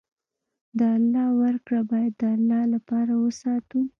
د الله ورکړه باید د الله لپاره وساتو.